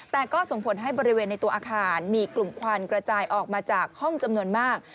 แต่ก็ส่งผลให้บริเวณในตัวอาคารมีกลุ่มควันกระจายออกมาจากห้องจำนวนมาก